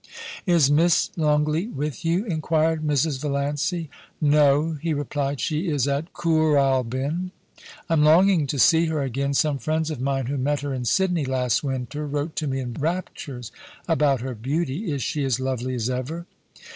* Is Miss Longleat with you ?* inquired Mrs. Valiancy. * No,* he replied. * She is at Kooralbyn.' * I am longing to see her again. Some friends of mine who met her in Syciney last winter wrote to me in raptures about her beauty. Is she as lovely as ever